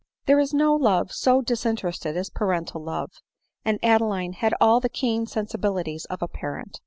There is no love so disinterested as parental love ; and Adeline had all the keen sensibilities of a parent.